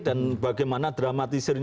dan bagaimana dramatisir